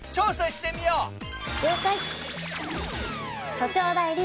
所長代理